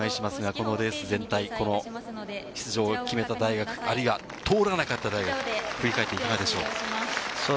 このレース全体、出場を決めた大学、あるいは通らなかった大学、振り返っていかがでしょう？